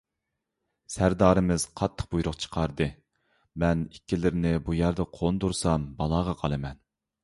سەردارىمىز قاتتىق بۇيرۇق چىقاردى، مەن ئىككىلىرىنى بۇ يەردە قوندۇرسام بالاغا قالىمەن.